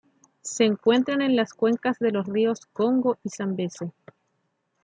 Se encuentran en las cuencas de los ríos Congo y Zambeze.